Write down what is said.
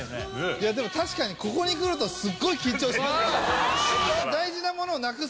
いやでも確かにここに来るとすっごい緊張しますねえっ！